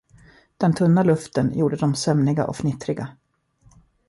Den tunna luften gjorde dem sömniga och fnittriga.